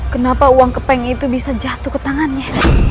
kenapa uang kepeng itu bisa jatuh ke tangannya